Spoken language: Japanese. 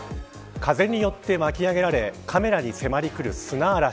風によって巻き上げられカメラに迫り来る砂嵐。